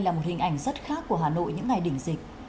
là một hình ảnh rất khác của hà nội những ngày đỉnh dịch